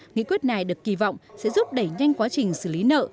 nghị quyết này được kỳ vọng sẽ giúp đẩy nhanh quá trình xử lý nợ